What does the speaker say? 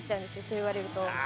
そう言われると。